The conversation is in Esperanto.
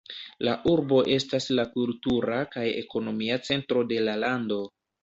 La urbo estas la kultura kaj ekonomia centro de la lando.